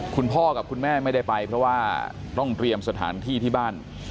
คุณพ่อกับคุณแม่ไม่ได้ไปเพราะว่าต้องเตรียมสถานที่ที่บ้าน